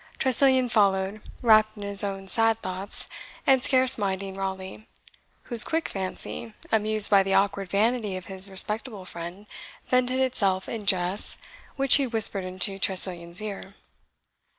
Tressilian followed, wrapt in his own sad thoughts, and scarce minding Raleigh, whose quick fancy, amused by the awkward vanity of his respectable friend, vented itself in jests, which he whispered into Tressilian's ear.